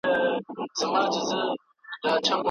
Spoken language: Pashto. که تېروتنه مو وکړه بخښنه وغواړئ.